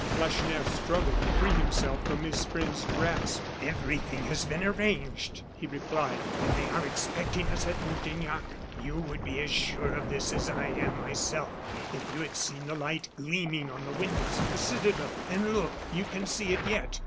Lacheneur struggled to free himself from his friend's grasp. "Everything has been arranged," he replied, "and they are expecting us at Montaignac. You would be as sure of this as I am myself, if you had seen the light gleaming on the windows of the citadel. And look, you can see it yet.